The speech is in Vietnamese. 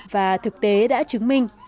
và thực tế đã chứng minh